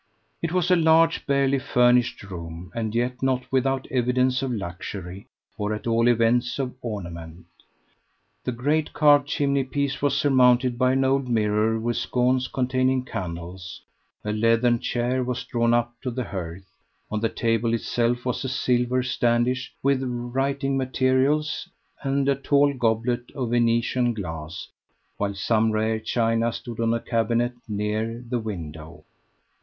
It was a large barely furnished room, and yet not without evidence of luxury, or at all events of ornament. The great carved chimney piece was surmounted by an old mirror with sconces containing candles; a leathern chair was drawn up to the hearth; on the table itself was a silver standish with writing materials, and a tall goblet of Venetian glass, while some rare china stood on a cabinet near the window.